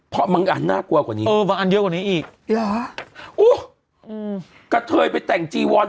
เพราะบางอันน่ากลัวกว่านี้แต่กระเทลไปแต่งจีวอน